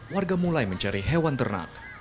warga mulai mencari hewan ternak